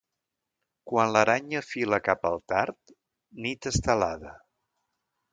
Quan l'aranya fila cap al tard, nit estelada.